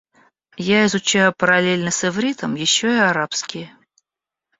Я изучаю параллельно с ивритом ещё и арабский.